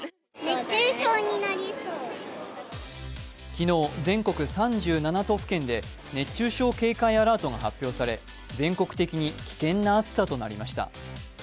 昨日、全国３７都府県で熱中症警戒アラートが発表され、全国的に危険な暑さとなりました。